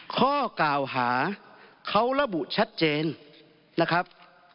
ข้อกล่าวหาเขาระบุชัดเจนนะครับ